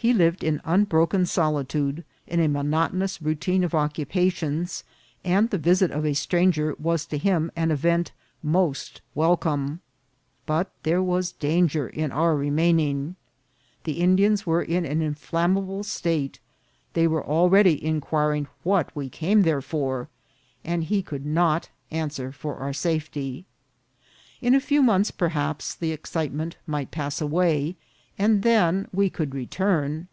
He lived in unbroken solitude, in a monotonous routine of occupations, and the visit of a stranger was to him an event most wel come; but there was danger in our remaining. The ANOTHER RUINED CITY. 193 Indians were in an inflammable state ; they were al ready inquiring what we came there for, and he could not answer for our safety. In a few months, perhaps, the excitement might pass away, and then we could re turn.